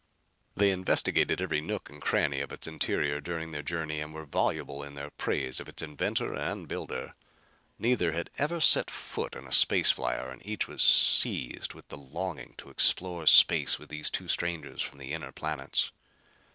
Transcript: They investigated every nook and cranny of its interior during the journey and were voluble in their praise of its inventor and builder. Neither had ever set foot in a space flier and each was seized with a longing to explore space with these two strangers from the inner planets.